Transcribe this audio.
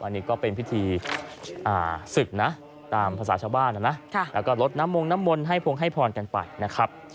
อันนี้ก็เป็นพิธีศึกนะตามภาษาชาวบ้านนะนะแล้วก็ลดน้ำมงน้ำมนต์ให้พงให้พรกันไปนะครับ